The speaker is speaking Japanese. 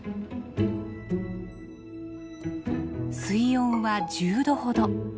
水温は１０度ほど。